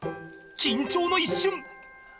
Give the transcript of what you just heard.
緊張の一瞬。